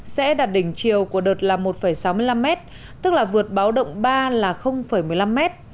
sẽ đạt đỉnh chiều của đợt là một sáu mươi năm m tức là vượt báo động ba là một mươi năm m